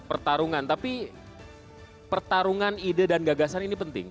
pertarungan tapi pertarungan ide dan gagasan ini penting